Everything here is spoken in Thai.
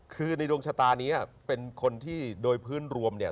คือในดวงชะตานี้เป็นคนที่โดยพื้นรวมเนี่ย